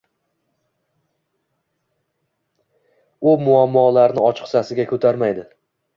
U muammolarni ochiqchasiga ko'tarmaydi